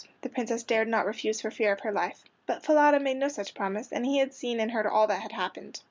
The Princess dared not refuse for fear of her life. But Falada made no such promise, and he had seen and heard all that had happened.